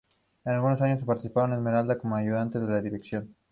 Al año siguiente participó en "Esmeralda" como ayudante de dirección.